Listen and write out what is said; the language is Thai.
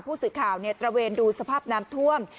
ผู้สื่อข่าวตระเวนดูสภาพน้ำท่วม